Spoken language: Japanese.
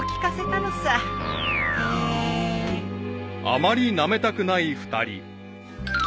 ［あまりなめたくない２人］